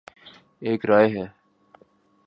ایک رائے ہے